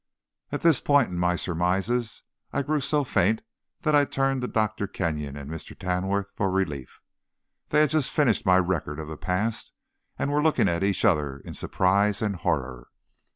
At this point in my surmises I grew so faint that I turned to Dr. Kenyon and Mr. Tamworth for relief. They had just finished my record of the past, and were looking at each other in surprise and horror.